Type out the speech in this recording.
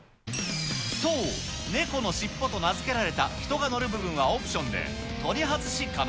そう、ねこのしっぽと名付けられた、人が乗る部分はオプションで、取り外し可能。